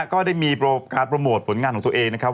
ก็ได้มีการโปรโมทผลงานของตัวเองนะครับ